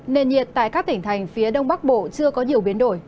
nền nhiệt tại các tỉnh thành phía đông bắc bộ chưa có nhiều biến đổi